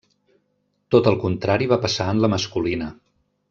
Tot el contrari va passar en la masculina.